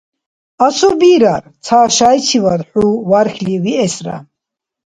Асубирар, ца шайчивад хӀу вархьли виэсра.